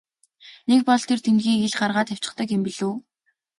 Нэг бол тэр тэмдгийг ил гаргаад тавьчихдаг юм билүү.